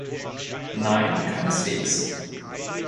Nein, keineswegs!